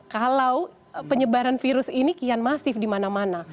kalau penyebaran virus ini kian masif dimana mana